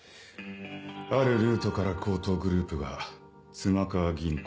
あるルートから強盗グループが妻川銀行